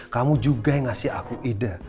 kamu juga yang ngasih aku ide